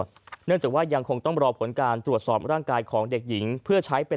เนื่องจากว่ายังคงต้องรอผลการตรวจสอบร่างกายของเด็กหญิงเพื่อใช้เป็น